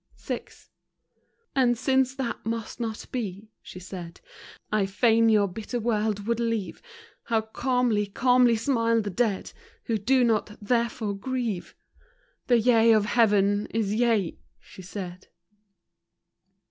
, VI. And since that must not be, she said, I fain your bitter world would leave. How calmly, calmly, smile the dead, Who do not, therefore, grieve ! The yea of Heaven is yea, she said.